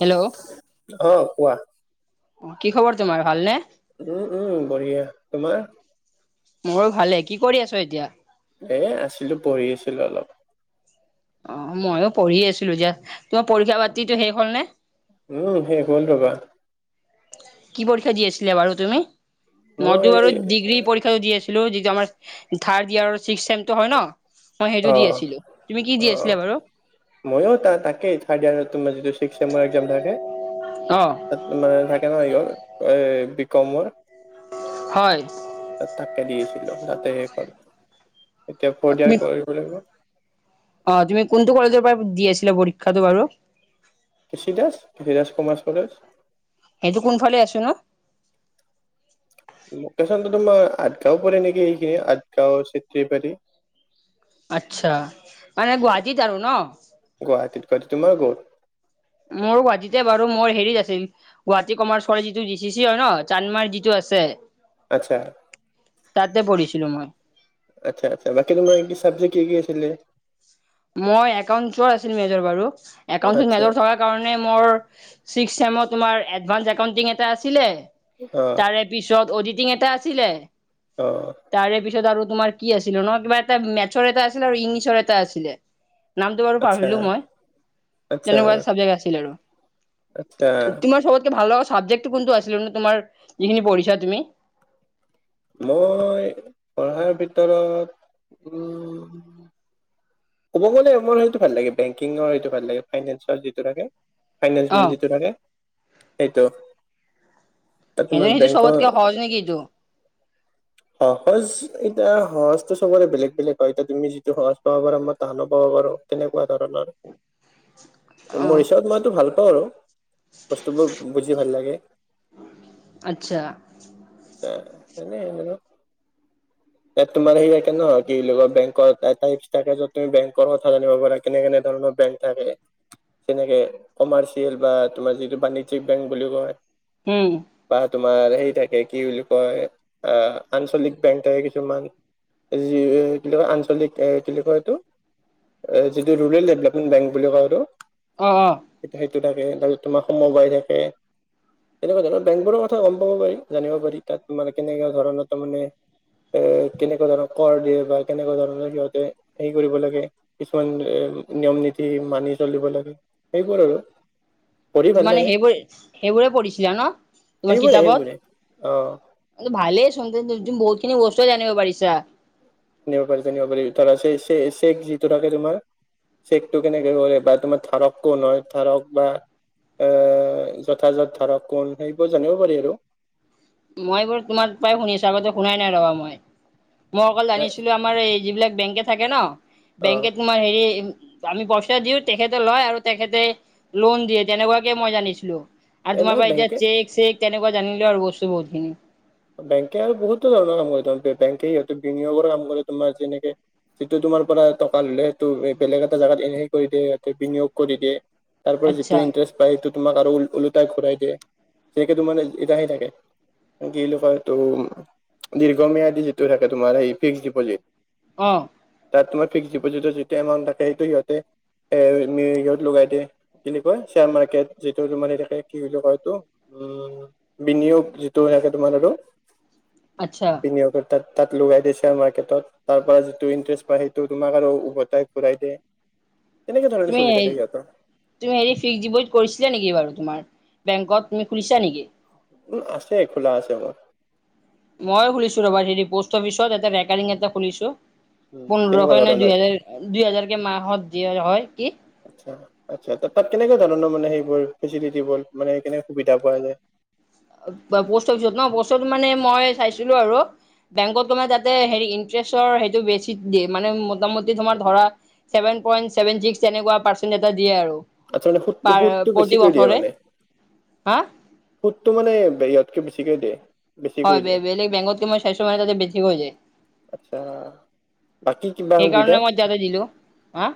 Hello অ' কোৱা। কি খবৰ তোমাৰ ভালনে? উম, উম বঢ়িয়া তোমাৰ। মোৰ ভালে কি কৰি আছ এতিয়া? এ আছিলো পঢ়ি আছিলো অলপ। অ', ময়ো পঢ়ি আছিলো দিয়া তোমাৰ পৰীক্ষা পাতিতো শেষ হল নে। উম, শেষ হ'ল ৰবা। কি পৰীক্ষা দি আছিলে বাৰু তুমি মইতো মই বাৰু ডিগ্ৰী পৰীক্ষাটো দি আছিলো। লো যিটো আমাৰ থাৰ্ড ইয়াৰ ছিক্স চেমটো হয় ন। মই অ সেইটো দি আছিলো তুমি কি অ দি আছিলা বাৰু? ময়ো ত তাকেই থাৰ্ড ইয়াৰাৰ যিটো ছিস্ক চেমৰ এক্সাম থাকে। অ'। মানে থাকে ন ইহ এই বিকমৰ। হয়। তাত তাকে দিছিলো তাতে শেষ হল এতিয়া ফ'ৰ্ড ইয়াৰ তুমি কৰিব লাগিব। অ', তুমি কোনটো কলেজৰ পৰা দি আছিলা পৰীক্ষাটো বাৰু। K C Das Dhiraj commerce college. এইটো কোনফালে আছো ন। লোকেশ্যনতো তোমাৰ আঠগাঁও পৰে নেকি এইখিনি আঠগাওঁ চেট্ৰীবাৰী। আচ্ছা মানে গুৱাহাটীত আৰু ন। গুৱাহাটীত তোমাৰ ক'ত। মোৰ গুৱাটীতে বাৰু মোৰ হেৰিত আছিল। গুৱাহাটী কমাৰ্চৰে যিটো জি চি চি হয় ন চান্দমাৰী যিটো আছে। আচ্ছা। তাতে পঢ়িছিলো মই। আচ্ছা, আচ্ছা বাকী তোমাৰ কি চাবজেক্ট কি কি আছিলে? মই একাউন্টছৰ আছিল মেজৰ বাৰু একাউণ্ট আচ্ছা মেজৰ থকাত তাৰ কাৰণে মোৰ ছিস্ক চেমত তোমাৰ এডভান্স একাউণ্টিং এটা আছিলে অ তাৰে পিছত অডিটিং এটা আছিলে। অ'। তাৰে পিছত আৰু তোমাৰ কি আছিলে নহ কিবা এটা মেথছৰ এটা আছিলে আৰু ইংলিছৰ এটা আছিলে। নামটো বাৰু আচ্ছা, পাহাৰিলো মই আচ্ছা, তেনেকুৱা এ চাবজেক্ট আছিল আৰু। আচ্ছা, তোমাৰ চবতকে ভাল লগা চাবজেক্ট কোনটো আছিলে নো তোমাৰ যিখিনি পঢ়িছা তুমি। মই পঢ়াৰ ভিতৰত উম ক'ব গ'লে মোৰ সেইটো ভাল লাগে বেংকিঙৰ সেইটো ভাল লাগে ফাইনেন্সৰ যিটো লাগে ফাইনেন্স অ বুলি যিটো থাকে সেইটো তাত তোমাৰ বেংক কেনেক কিটো। সহজ এতিয়া সহজটো চবৰে বেলেগ বেলেগ হয় এতিয়া তুমি যিটো সহজ পাব পাৰা মই টাননো পাব পাৰোঁ। তেনেকুৱা ধৰণৰ অহ মোৰ হিচাপত মইতো ভাল পাওঁ আৰু। বস্তুবোৰ বুজি ভাল লাগে। আচ্ছা আচ্ছা এনেহেন আৰু। তাত তোমাৰ সেইয়াে নহয় কি বেং থাকে তুমি বেংকৰ কথা জানিব পাৰা কেনে কেনে ধৰণৰ বেংক থাকে যেনেকে কমাৰ্চিয়েল বা তোমাৰ যিটো বাণিজ্যক বেংক বুলি কয়। হম। বা তোমাৰ হেৰি থাকে কি বুলি কয় আহ আঞ্চলিক বেংক কিছুমান যি কি কয় আঞ্চলিক এ কি বুলি কয় এইটো এ যিটো ৰুৰেল ডেভেলপমেণ্ট বেংক বুলি ক কয় টো অ', অ'। সেইটো থাকে তাৰপিছত তোমাৰ সময় বাই থাকে। তেনেকুৱা ধৰণৰ বেংবোৰৰ কথা গম পাব পাৰি জানিব পাৰি তাত মানে কেনেকুৱা ধৰণৰ তাৰ মানে এ কেনেকুৱা ধৰণৰ কৰ দিয়ে বা কেনেকুৱা ধৰণৰ সিহঁতে হেৰি কৰিব লাগে, কিছুমান এ নিয়ম নীতি মানি চলিব লাগ, সেইবোৰ আৰু। পঢ়ি ভাল মানে লাগে সেইবোৰে সেইবোৰে পঢ়িছিলা ন? তোমাৰ সেইবোৰে কিতাপত? সেইবোৰে অ কিন্তু ভালে [inaudible] খিনি বস্ত জানিব পাৰিছা। নিব পাৰিছে নিব পাৰি ধৰা [inaudible] চেক যিটো থাকে তোমাৰ, চ একু কেনেকে কৰে বা তোমাৰ থাৰক ক ন হয় থাৰক বা, এ, যথাযথ ধৰক কোন সেইবোৰ জানিব পাৰি আৰু। মই বোৰ তোমাৰ প্ৰায় শুনিছো আগতে শুনাই নাই ৰবা মই মই অকল জানিছিলো আমাৰ এই যিবিলাক বেংকে থাকে ন অ বেংক তমাৰ হেৰি আমি পইচা দিও তেখেতে লয় আৰু তেখেতে লোন দিয়ে তেনেকুৱাকে মই জানিছিলোঁ। আৰু তোমাৰ এনে পৰা এতিয়া বেংকে চেক চেক তেনেকুৱা জানিলেও আৰু বস্তু বহুত খিনি। বেংকে বহুতো ধৰণৰ কাম কৰে তাৰ বেংকে সিহত বিনিয়োগৰ কাম কৰে তোমাৰ যেনেকে যিটো তোমাৰ পৰা টকা ললে সেইটো বেলেগ এটা জেগাত এনে কৰি দিয় সতে বিনিয়োগ কৰি দিয়ে। তাৰ পৰা যিটো আচ্ছা ইণ্টাৰেষ্ট পায় সেইটো তোমাক আৰু ওলোটাই ঘূৰাই দিয়ে সেকে তোমাৰে এতিাহে থাকে। কিয়টো দীৰ্ঘম্যিজিটটো থাকে তোমাৰ স ফিক্স ডিপজিট, অ, তাত তোমাৰ ফিক্স ডিপজিটৰ যিটো এমাউণ্ট থাকে সেইটো সিহঁতে সহত লগাই দিয়ে। কেনেকুৱা শ্বেয়াৰ মাৰ্কেট যিটো তমাৰ থাকে কি বুলি কয় এইটো উ, বিনিয়োগ যিটো থাকে তোমাৰ আৰু। আচ্ছা। [unintelligible] তাত তাত লগাই দিছে মাৰ্কেটত। তাৰ পৰা যিটো ইণ্টাৰেষ্ট পায় সেইটো তোমাক আৰু উভতাই ঘূৰাই দিয়ে। তেনেকে ধৰণে চলি তুমি থাকে ইহঁতে। তুমি হেৰি ফিক্স ডিপ'জিট কৰিছিলা নেকি বাৰু তুমাৰ বেংকত তুমি খুলিছা নেকি? উম, আছে খোলা আছে মোৰ। মই খুলিছো ৰবাৰ হে পষ্ট অফিচত এটা ৰেকডিং এটা খুলিছোঁ উম কেনেকুৱা পোন্ধৰশ ন ধৰণৰ দুহেজাৰ দুই হাজাৰ কে মাহত দিয়া হয় কি আ-আচ্ছা তাত কেনেকুৱা ধৰণৰ মানে সেইবোৰ ফেচিলিট বোৰ মানে কেনেকে সুবিধা পোৱা যায়? পোষ্ট অফিচত ন বস্তুটো মানে মই চাইছিলো আৰু বেংকত তোমাৰ যাতে হেৰি ইণ্টাৰেষ্টৰ সেইটো বেছি দিয়ে মানে মোটামুটি তোমাৰ ধৰা, ছেভেন পইনট চছেভেন [unintelligible] ছিক্স তেনেকুৱা পাৰ্চেণ্ট এটা দিয়ে আৰু। আচ্ছা মানে সুদটো সুদটো প্ৰতি বেছিকৈ বছৰে হা? সুতটো মানে ইয়তকে বেছিকে দিয়ে। বেছিকৈ হয় দিয়ে বেলেগ বেংগত কে মই চাইছ ময়ে তাতে বেছি কৈ হৈ যায়। আচ্ছা, বাকী কিবা সুবিধা সেইকাৰণে মই যাদা দিলো, হা?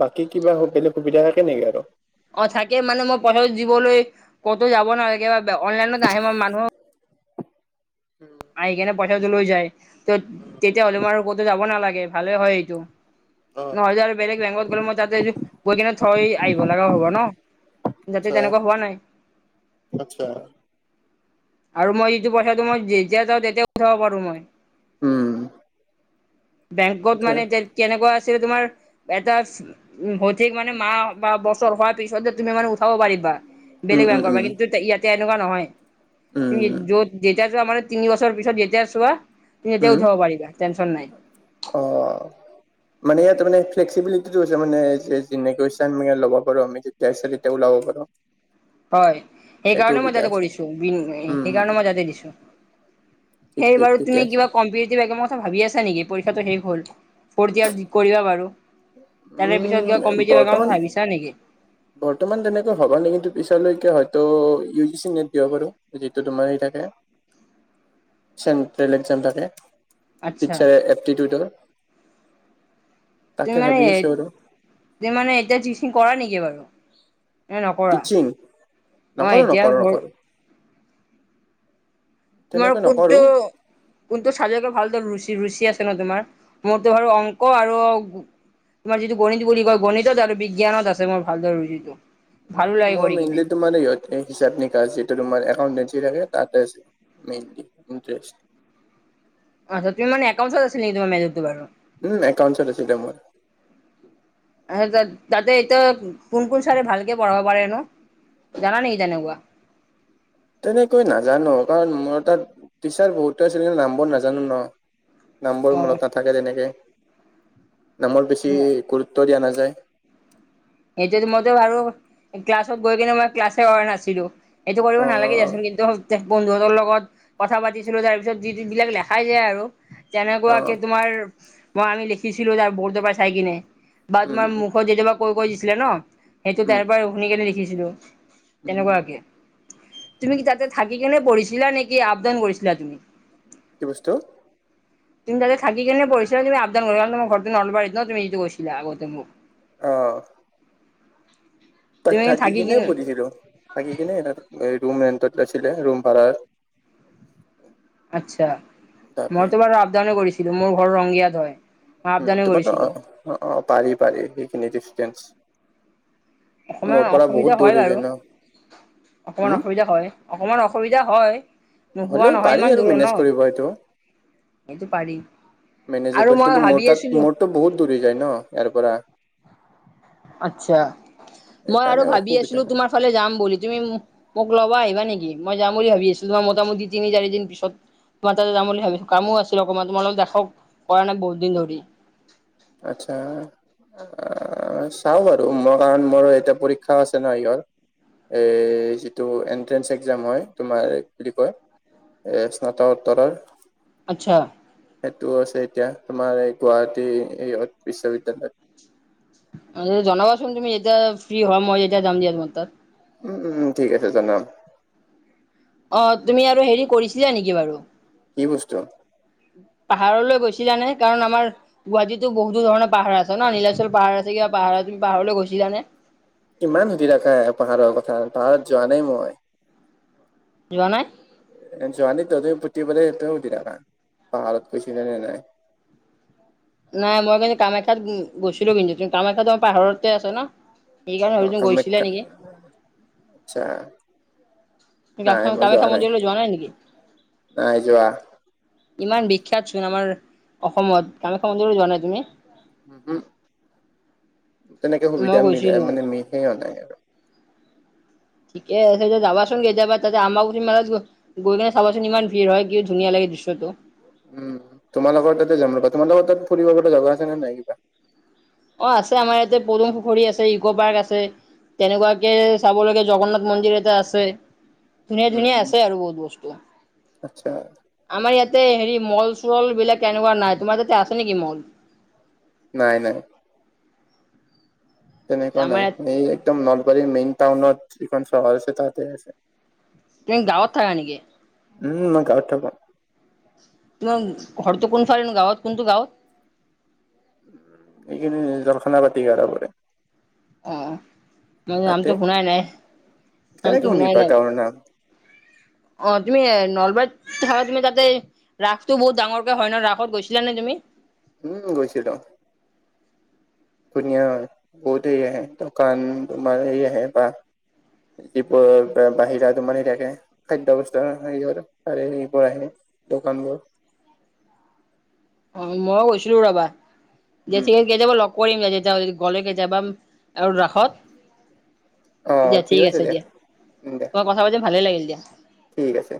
বাকী কিবা বেলেগ সুবিধা থাকে নেকি আৰু? অ, থাকে মানে মই পথাৰ দিবলৈ ক'তো যাব নালাগে বা অনলাইনত আহে মই মানুহ উম, আহ সেইকাৰনে পইচাটো লৈ যায় ত উম তেতিয়া হ'লে মানে ক'তো যাব নালাগে ভালে হয় এইটো। অ ন হাজাৰ বেলেক বেংগত গল মই [inaudible] গৈ কিনে থৈ আহিব লগাও হ'ব ন, যাতে আচ্ছা তেনেকুৱা হোৱা নাই। আচ্ছা, আৰু মই যিটো পইচাটো মই যেতিয়া যাওঁ তেতিয়া উঠাব পাৰো মই। উম, বেংকত মানে কেনেকুৱা আছিলে তোমাৰ এটা উম, হৈ ঠিক মানে মাহ বা বছৰ হোৱাৰ পিছত তুমি মানে থ'ব পাৰিবা উম বেলেগ উম বেংকত, উম কিন্তু ইয়াতে এনেকুৱা নহয়। তুমি উম, য'ত যেতিয়া চোৱা মানে তিনি বছৰৰ পিছত যেতিয়া চোৱা তুমি তেতিয়া উঠাব পাৰিবা টেনশ্যন নাই। অঁ'। মানে ইয়াত মানে ফ্লেক্চিবিলিটিটো হৈছে মানে যেনেকৈ [unintelligible] ম ল'ব পাৰো আমি যেতিয়া ইচ্ছা তেতিয়াই উলাব পাৰো। [inaudible] হয় সেইটো সেইকাৰণে মই সুবিধা তাতে আছে কৰিছো বি উম, উম, সেইকাৰণে উম, মই তাতে দিছো। ঠিক সেই ঠিক বাৰু ঠিকে তুমি আছে কিবা কম্পিতিতিভ এক্সামত ভাবি আছা নেকি পৰীক্ষাতটো শেষ হ'ল ফৰ্থ ইয়াৰ যি কৰিবা বাৰু। তাৰে পিছত উম, কিবা কমপিটিটিভ এক্সাম বৰ্তমান ভাবিছা নেকি? বৰ্তমান তেনেকৈ হ'ব নেকি কিন্তু পিছলৈকে হয়তো ইউ জি চি নেট দিব পাৰো। যিটো তোমাৰ হেই থাকে চেণ্ট্ৰেল এক্সাম থাকে। আচ্ছা পিকচাৰ এপ্টিটিউডৰ। তুমি মানে আছো আৰু তুমি মানে এতিয়া টিচিং কৰা নেকি বাৰু? নে নকৰা টিচিং অ নকৰো নকৰো এতিয়া নকৰো। তোমাৰ তেনেকৈ কোনটো নকৰো কোনটো চাবজেক্টক ভাল দৰে ৰুচি ৰুচি আছে ন তোমাৰ মোৰতো বাৰু অংক আৰু তোমাৰ যিটো গণিত বুলি কয় গণিতত আৰু বিজ্ঞানত আছে মোৰ ভালদৰে ৰুচিটো। ভালো উম, লাগে মই কৰি কিনে মেইনলি তোমাৰ সহঁতে হিচাপ নিকাচ যিটো তোমাৰ একাউণ্টেন্সী যি থাকে তাতে আছে মেইনলি ইণ্টাৰেষ্ট। আ তুমি মানে একাউন্ছ আছিল নেকি তোমাৰ মেজৰটো বাৰু? উম, একাউণ্টছত আছিলে মোৰ। তাতে এতিয়া কোন কোন চাৰে ভালকে পঢ়াব পাৰেনো জানা নেকি তেনেকুৱা? তেনেকৈ নাজানো কাৰণ মোৰ তাত টিচাৰ বহুতো আছিল কিন্ত নামবোৰ নাজানো ন। নামবোৰ মনত নাথাকে তেনেকে নামৰ বেছি অ গুৰুত্ব দিয়া নাযায়। সটো মইতো বাৰু ক্লাছত গৈ কিনে মই ক্লাছে কৰা নাছিলো। এইটো কৰিব নালাগে অ', দেচোন কিন্তু তে বন্ধুহঁতৰ লগত কথা পাতিছিলোঁ তাৰপিছত যিবিলাক লেখাই যায় আৰু অ', তেনেকুৱাকে তোমাৰ মই আমি লিখিছিলো তাৰ বৰদ'পা চাই কিনে। বা উম, তোমাৰ মুখত যেতিয়াবা কৈ কৈ দিছিলে ন সেইটো উম, তাৰ পৰাই শুনি কেনে লিখিছিলো। উম। তেনেকুৱাকে তুমি তাতে থাকি কেনে পঢ়িছিলা নেকি আপ ডাউন কৰিছিলা তুমি? কি বস্তু? তুমি তাতে থাকি কেনে পঢ়িছিলা তুমি আপডাউন কৰিছিলা তোমাৰ ঘৰটো নলবাৰীত ন তুমি যিটো কৈছিলা আগতে। মোক। অ'। তাত থাকি কিনে পঢ়িছিলো থাকি কিনে ৰুম ৰেণ্টত আছিলে ৰুম ভাৰা। আচ্ছা তাকে। মইতো বাৰু আপ ডাউনে কৰিছিলো মোৰ ঘৰ ৰংগিয়াত হয়। আপ উম, ডাউনেই তোমাৰতো কৰিছিলো। অ', অ', পাৰি পাৰি সেইখিনি ডিচটেন্স। অকমান মোৰ পৰা বহুত অসুবিধা দূৰ হয় হৈ বাৰু যায় ন অকমান হম অসুবিধা হয় অকমান অসুবিধা হয়। নোহোৱা হ'লেও নহয় পাৰি ইমান আৰু দূৰ ন মেনেজ কৰিব এইটো। সেইটো পাৰি আৰু মেনেজেবল মই কিন্তু ভাবি মোৰ তাত আছিলো মোৰটো বহুত দূৰ যায় ন ইয়াৰ পৰা। আচ্ছা মই আৰু সেইকাৰণে ভাবি অসুবিধা আছিলো তোমাৰ ফালে যাম বুলি তুমি মোক লবা আহিবা নেকি মই যাম বুলি ভাবি আছিলো তোমাৰ মোটামুটি তিনি চাৰি দিন পিছত। তোমাৰ তাতে যাম বুলি ভাবিছো কামো আছিল অকণমান তোমাললোক দেখাও কৰা নাই বহুত দিন ধৰি। আচ্ছা। অ', চাও বাৰু মই কাৰণ মোৰ এতিয়া পৰীক্ষা আছে ন ইহঁৰ। এই যিটো এণ্ট্ৰেন্ঞ্চ এক্জাম হয় তোমাৰ কি বুলি কয় এ স্নাতকোত্তৰৰ। আচ্ছা। সেইটোও আছে এতিয়া তোমাৰ এই গুৱাহাটী বিশ্ববিদ্যয়ালয়ত। জনাবাচোন তুমি যেতিয়া ফ্ৰ্ৰী হয় মই যেতিয়া যাম দিয়া তোমাৰ তাত। উম, উম, ঠিক আছে জনাম। অ', তুমি আৰু হেৰি কৰিছিলা নেকি বাৰু? কি বস্তু পাহাৰলৈ গৈছিলা নে কাৰণ আমাৰ। গুৱাহাটীতো বহুো ধৰণৰ পাহাৰ আছে নীলাচল, পাহাৰ আছে কিবা পাহাৰ ত, পাহাৰলৈ গৈছিলানে? ইমান সুধি থাকা পাহাৰৰ কথা পাহাৰত যোৱা নাই মই। যোৱা নাই। যোৱা নাই ত পুতি বাৰে সেইটোৱে সুধি থাকা পাহাৰত গৈছানে নাই। নাই মই কিন্তু কামাখ্যাত গৈছিলো পিন্ধুুন্তু কামাখ্যাতোমাৰ পাহাৰৰতে আছে ন। সেইকাৰণে অ, ভাবিছোঁ গৈছিলা কামখ্য নেকি? আচ্ছা। নাই মই যোৱা কামাখ্যা নাই, মন্দিৰলৈ নেকি? নাই যোৱা। ইমান বিখ্যাত চোন আমাৰ অসমত কামাখ্যা মন্দিৰো যোৱা নাই তুমি। তেনেকে সুবিধা মই মিলাই গৈছিলোঁ। মানে, সে অ নাই মানে। ঠিকে আছে যাবাচোন কেতিয়াবা [inaudible] গৈ কিনে চাবাচোন ইমান ভিৰ হয় কি ধুনীয়া লাগে দৃশ্যটো। উম, তোমাৰ লগৰ তাতে যামবা তোমাৰ লগৰ তাত ফুৰিব জগা আছে নে নাই কিবা। অ, আছে আমাৰ ইয়াতে পদুং পুখুৰী আছে ইকো পাৰ্ক আছে। তেনেকুৱাকে চাব লাগে জগন্নাথ মন্দিৰ এটা আছে ধুনীয়া ধুনীয়া উম আছে আৰু বহুত বস্তু। আচ্ছা। আমাৰ ইয়াতে হেৰি মল চল বিলাক এনেকুৱা নাই তোমাৰ তাতে আছে নেকি মল। নাই নাই। তেনেকুৱা আমাৰ ইয়াত নাই এই একদম নলবাৰীৰ মেইন টাউনত যিখন চহৰ আছে তাতে আছে। তুমি গাঁৱত থাকা নেকি? উম, মই গাঁৱত থাকো। ত, ঘৰটো কোনফালেনো গাঁৱত কোনতো গাঁৱত? সেইখিনি জৰ্খানা পাতি কৰাবৰে, অ মই নামটো ততে, শুনাই নাই কেনেকে নামটো শুনাই সোনিবা নাই কোৰ নাম [unintelligible] অ, তুমি নলবাৰত থাকা তুমি তাতে। ৰাসটো বহুত ডাঙৰকে হয় ন ৰাসত গৈছিলা নে তুমি? উম, গৈছিলোঁ। পুনীয়া বহুতে দোকান তোমাৰ আহে বা, দীপ বাহিৰা তমাৰ থাকে, খাদ্্যয়স্থােব সবোৰ আহে দোকান বোৰ, অ, ময়ো কৈছিলো ৰবা উম যেঠিক কেতিয়াবা লগ কৰিম যে তেতিলে, গ'লে কেতিয়াবা আৰু ৰাসত। দিয়া ঠিক আছে দিয়া দিয়া মই কথা পাতিম ভালে লাগিল দিয়া। ঠিক আছে।